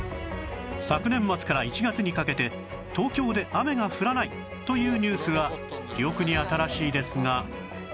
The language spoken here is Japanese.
昨年末から１月にかけて東京で雨が降らないというニュースが記憶に新しいですが